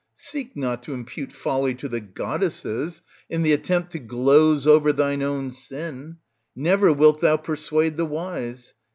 253 Seek not to impute folly to the goddesses, in the attempt to gloze o*er thy own sin; never wilt thou persuade the wise.